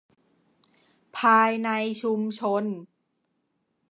ภายในชุมชน